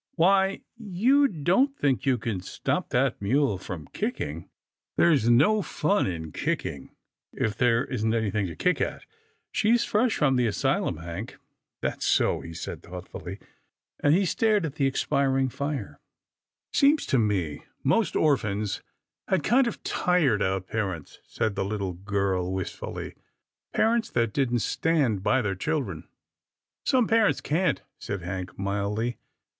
" Why — you don't think you can stop that mule from kicking? "" There's no fun in kicking if there isn't any thing to kick at. She's fresh from the asylum. Hank." " That's so," he said thoughtfully, and he stared at the expiring fire. 18 THE MATTER WITH GRAMPA 19 " Seems to me, most orphans had kind of tired out parents," said the little girl, wistfully. " Par ents that didn't stand by their children." " Some parents can't," said Hank mildly.